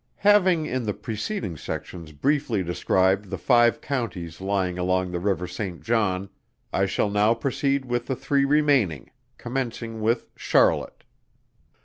Having in the preceding sections briefly described the five Counties lying along the river St. John; I shall now proceed with the three remaining, commencing with CHARLOTTE.